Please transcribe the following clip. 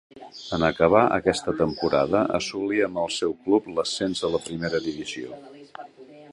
En acabar aquesta temporada assolí amb el seu club l'ascens a la primera divisió.